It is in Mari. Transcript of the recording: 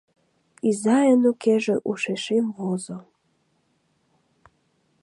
Изайын укеже ушешем возо.